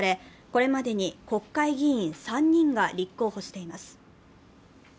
これまでに国会議員３人が立候補しています。